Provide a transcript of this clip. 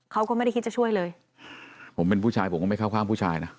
เขาก็ไม่ได้คิดจะช่วยเลยผมเป็นผู้ชายผมก็ไม่เข้าข้างผู้ชายนะ